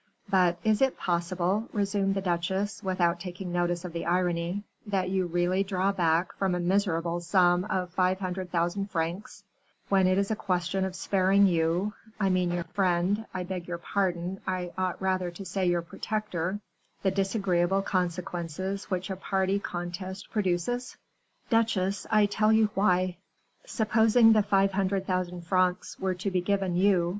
"But is it possible," resumed the duchesse, without taking notice of the irony, "that you really draw back from a miserable sum of five hundred thousand francs, when it is a question of sparing you I mean your friend I beg your pardon, I ought rather to say your protector the disagreeable consequences which a party contest produces?" "Duchesse, I tell you why; supposing the five hundred thousand francs were to be given you, M.